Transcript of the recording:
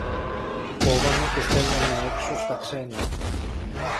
κόβαμε και στέλναμε έξω στα ξένα